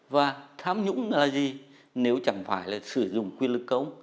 và tham nhũng là gì nếu chẳng phải là sử dụng quyền lực công